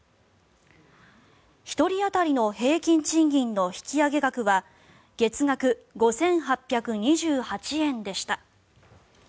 １人当たりの平均賃金の引き上げ額は月額５８２８円でした。